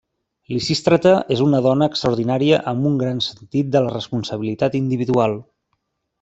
Lisístrata és una dona extraordinària amb un gran sentit de la responsabilitat individual.